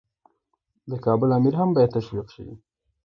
د کابل امیر هم باید تشویق شي.